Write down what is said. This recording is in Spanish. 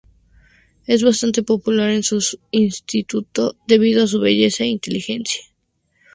Es bastante popular en su instituto debido a su belleza e inteligencia.